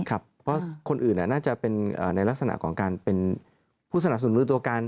เพราะคนอื่นน่าจะเป็นในลักษณะของการเป็นผู้สนับสนุนตัวการ